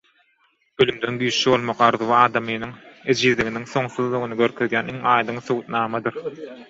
Ölümden güýçli bolmak arzuwy adamynyň ejizliginiň soňsuzlygyny görkezýän iň aýdyň subutnamadyr.